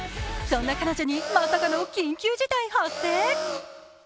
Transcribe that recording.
そんな彼女にまさかの緊急事態発生？